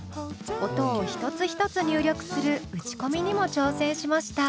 音を一つ一つ入力する打ち込みにも挑戦しました。